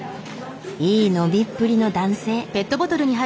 いい飲みっぷりの男性。